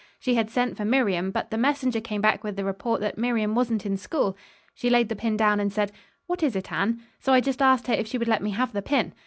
She had sent for Miriam, but the messenger came back with the report that Miriam wasn't in school. She laid the pin down and said, 'What is it, Anne?' So I just asked her if she would let me have the pin.